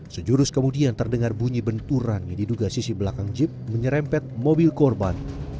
sejurus kemudian terdengar bunyi benturan yang diduga sisi belakang jeep menyerempet mobil korban